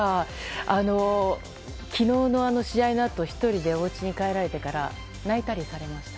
昨日の試合のあと１人でおうちに帰られてから泣いたりされました？